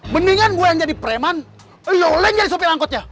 mendingan gue yang jadi preman iyo leh yang jadi supir angkotnya